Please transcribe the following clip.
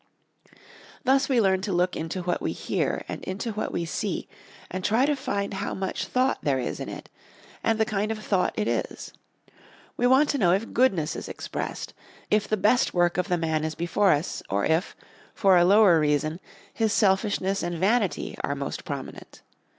Thus we learn to look into what we hear and into what we see and try to find how much thought there is in it, and the kind of thought it is. We want to know if goodness is expressed; if the best work of the man is before us, or if, for a lower reason, his selfishness and vanity are most prominent.